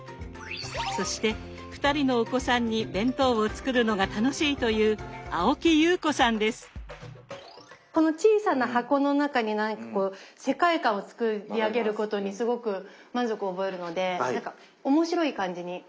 そして２人のお子さんに弁当を作るのが楽しいというこの小さな箱の中に世界観を作り上げることにすごく満足を覚えるので何か面白い感じに。